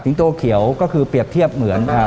โตเขียวก็คือเปรียบเทียบเหมือน